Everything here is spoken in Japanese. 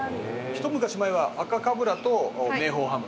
一昔前は「赤かぶら」と「明宝ハム」。